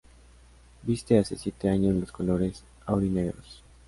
Viste hace siete años los colores aurinegros.